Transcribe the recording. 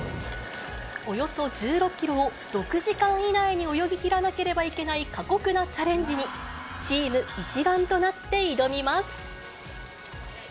およそ１６キロを６時間以内に泳ぎきらなければいけない過酷なチャレンジに、チーム一丸となって挑みます。